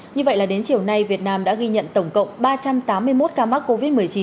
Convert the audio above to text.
như vậy là đến chiều nay việt nam đã ghi nhận tổng cộng ba trăm tám mươi một ca mắc covid một mươi chín